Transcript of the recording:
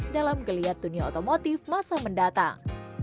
dalam geliat dunia otomotif masa mendatang